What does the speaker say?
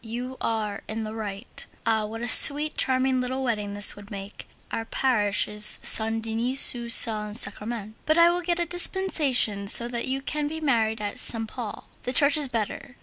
You are in the right. Ah! what a sweet, charming little wedding this will make! Our parish is Saint Denis du Saint Sacrament, but I will get a dispensation so that you can be married at Saint Paul. The church is better.